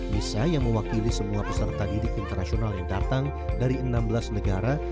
nisa yang mewakili semua peserta didik internasional yang datang dari enam belas negara